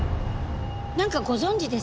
なんかご存じですよね？